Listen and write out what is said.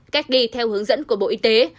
cách ly theo hướng dẫn của bộ y tế